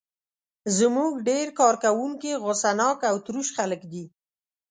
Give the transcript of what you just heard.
زموږ ډېر کارکوونکي غوسه ناک او تروش خلک دي.